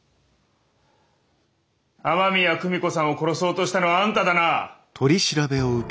雨宮久美子さんを殺そうとしたのはあんただな？